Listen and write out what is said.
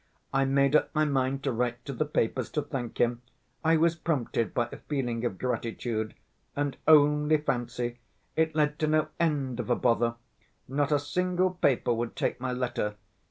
I made up my mind to write to the papers to thank him, I was prompted by a feeling of gratitude, and only fancy, it led to no end of a bother: not a single paper would take my letter.